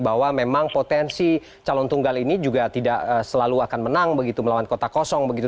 bahwa memang potensi calon tunggal ini juga tidak selalu akan menang begitu melawan kota kosong begitu